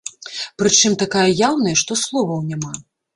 Прычым такая яўная, што словаў няма.